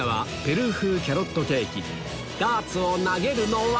ダーツを投げるのは？